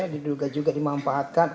diduga juga dimanfaatkan